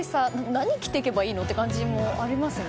何着ていけばいいの？って感じもありますね。